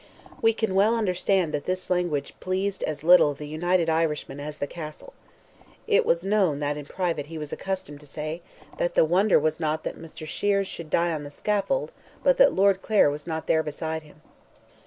We can well understand that this language pleased as little the United Irishmen as the Castle. It was known that in private he was accustomed to say, that, "the wonder was not that Mr. Sheares should die on the scaffold, but that Lord Clare was not there beside him."